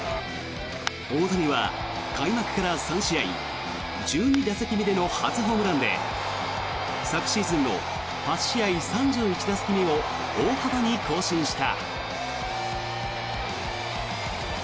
大谷は開幕から３試合１２打席目での初ホームランで昨シーズンの８試合３１打席目を大幅に更新した。